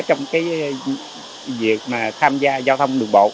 trong cái việc mà tham gia giao thông đường bộ